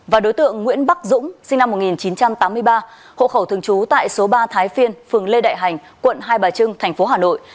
và đối tượng nguyễn bắc dũng sinh năm một nghìn chín trăm tám mươi ba hộ khẩu thường trú tại số ba thái phiên phường lê đại hành quận hai bà trưng tp hà nội